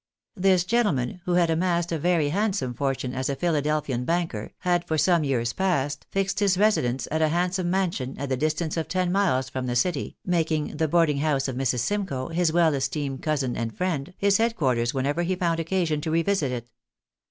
This gentleman, who had amassed a very handsome fortune as a Philadelphian banker, had, for some years past, fixed his residence at a handsome mansion, at the distance of ten miles from the city, making the boarding house of Mrs. Simcoe, his well esteemed cousin and friend, his head quarters whenever he found occasion to revisit it.